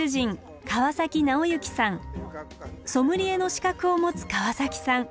ソムリエの資格を持つ川崎さん。